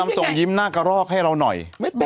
ส่งยิ้มหน้ากระรอกให้เราหน่อย